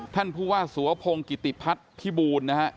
ท่านผู้ว่าสวพงศ์กิติพัฒน์พี่บูรณ์นะครับ